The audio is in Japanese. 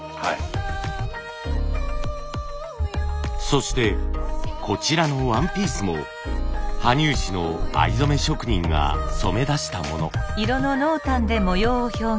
そしてこちらのワンピースも羽生市の藍染め職人が染め出したもの。